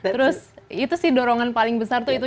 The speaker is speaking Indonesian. terus itu sih dorongan paling besar tuh itu